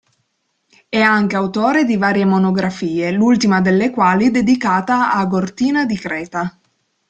È anche autore di varie monografie l'ultima delle quali dedicata a Gortina di Creta.